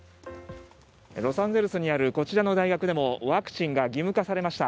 ロサンゼルスにあるこちらの大学でもワクチンが義務化されました。